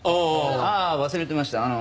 ああ忘れてました。